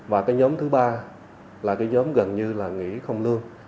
và cái nhóm thứ ba là cái nhóm gần như là nghỉ không lương